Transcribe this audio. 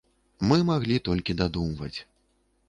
Мы маглі толькі дадумваць.